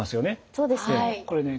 そうですね。